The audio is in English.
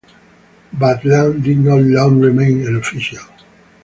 But Lang did not long remain an official.